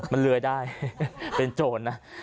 มันเลื้อยได้เป็นโจรนะ